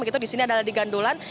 begitu di sini adalah digandulan